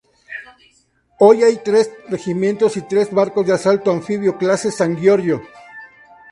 Hoy hay tres regimientos y tres barcos de asalto anfibio Clase San Giorgio.